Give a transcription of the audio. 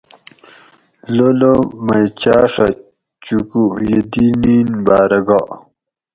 لولو مئی چاڛہ چوکو یہ دی نین باۤرہ گا